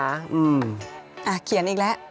อ่ะเขียนอีกแล้ว